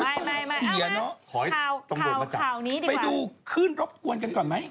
เอามาข่าวนี้ดีกว่าไปดูคืนรบกวนกันก่อนไหม